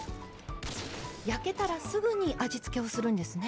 焼けたらすぐに味付けをするんですね。